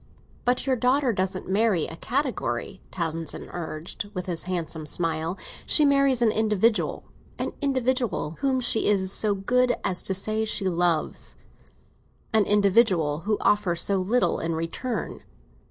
"But your daughter doesn't marry a category," Townsend urged, with his handsome smile. "She marries an individual—an individual whom she is so good as to say she loves." "An individual who offers so little in return!"